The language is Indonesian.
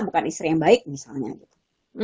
bukan istri yang baik misalnya gitu